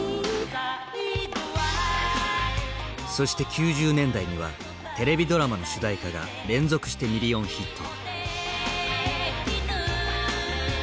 そして９０年代にはテレビドラマの主題歌が連続してミリオンヒット。